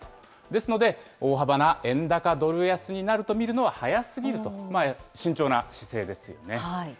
ですので、大幅な円高ドル安になると見るのは早すぎると、慎重な姿勢ですよね。